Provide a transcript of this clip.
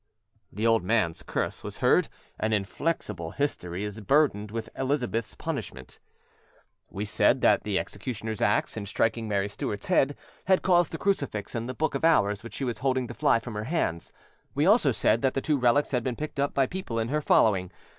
The old man's curse was heard, and inflexible history is burdened with Elizabeth's punishment. We said that the executioner's axe, in striking Mary Stuart's head, had caused the crucifix and the book of Hours which she was holding to fly from her hands. We also said that the two relics had been picked up by people in her following.